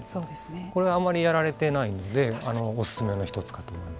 これはあまりやられてないんでお勧めの１つかと思います。